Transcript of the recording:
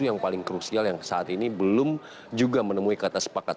yang paling krusial yang saat ini belum juga menemui kata sepakat